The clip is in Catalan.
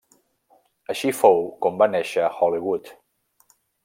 Així fou com va néixer Hollywood.